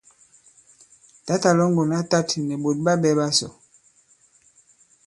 Tǎtà Lɔ̌ŋgòn ǎ tāt nì ɓòt ɓa ɓɛ̄ ɓasò.